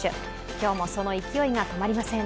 今日もその勢いが止まりません。